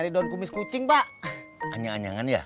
kalau kumis kucing itu kacau banget ya